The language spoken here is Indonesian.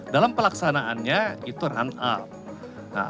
dalam pelaksanaannya itu run out